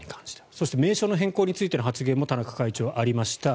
そして名称変更についての発言もありました。